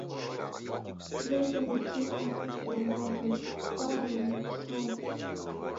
W'ele niki kwaw'echiobua huw'u? Kwalolwa kusow'o?